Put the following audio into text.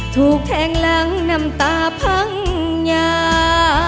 ถูกแทงหลังน้ำตาพังยา